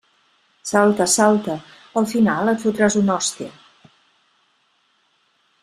Salta, salta, al final et fotràs una hòstia.